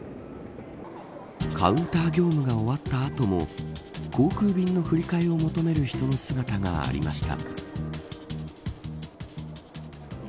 カウンター業務が終わった後も航空便の振り替えを求める人の姿がありました。